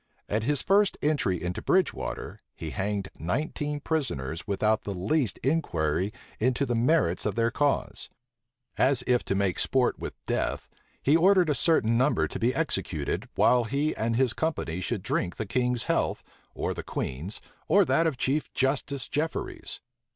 At his first entry into Bridge water, he hanged nineteen prisoners without the least inquiry into the merits of their cause. As if to make sport with death, he ordered a certain number to be executed, while he and his company should drink the king's health, or the queen's, or that of Chief Justice Jefferies.